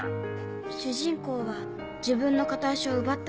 主人公は自分の片足を奪った